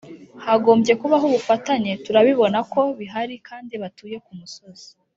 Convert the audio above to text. hagombye kubaho ubufatanye turabibona ko bihari kandi batuye ku musozi